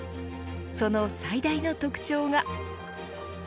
その最大の特徴が。